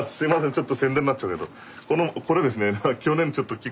ちょっと宣伝になっちゃうけどこのこれですね。